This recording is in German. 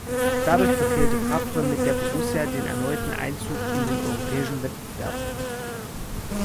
Dadurch verfehlte Favre mit der Borussia den erneuten Einzug in einen europäischen Wettbewerb.